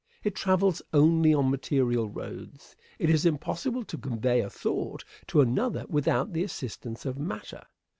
It travels only on material roads. It is impossible to convey a thought to another without the assistance of matter.